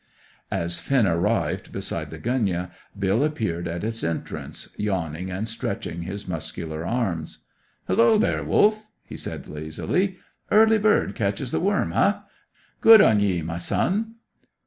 As Finn arrived beside the gunyah, Bill appeared at its entrance, yawning and stretching his muscular arms. "Hullo there, Wolf," he said lazily; "early bird catches the worm, hey? Good on ye, my son."